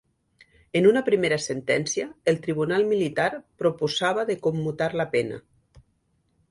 En una primera sentència, el tribunal militar proposava de commutar la pena.